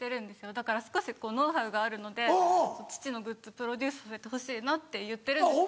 だから少しこうノウハウがあるので父のグッズプロデュースさせてほしいなって言ってるんですけど。